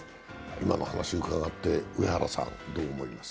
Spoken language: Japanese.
今の話、伺って、上原さんどう思います？